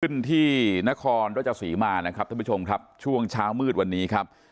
ขึ้นที่นครราชสีมานะครับท่านผู้ชมครับช่วงเช้ามืดวันนี้ครับ